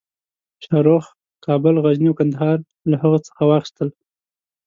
شاهرخ کابل، غزني او قندهار له هغه څخه واخیستل.